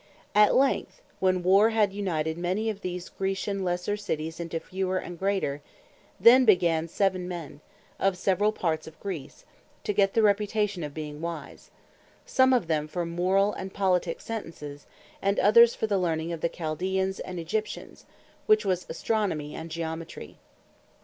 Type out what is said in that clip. At length, when Warre had united many of these Graecian lesser Cities, into fewer, and greater; then began Seven Men, of severall parts of Greece, to get the reputation of being Wise; some of them for Morall and Politique Sentences; and others for the learning of the Chaldeans and Egyptians, which was Astronomy, and Geometry.